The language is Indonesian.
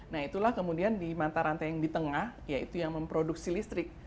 nah itulah kemudian di mata rantai yang di tengah yaitu yang memproduksi listrik